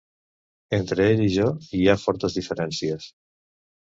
Entre ell i jo hi ha fortes diferències.